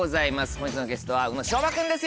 本日のゲストは宇野昌磨君です